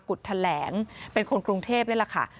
กุธแหลงเป็นคนกรุงเทพฯนั่นแหละค่ะ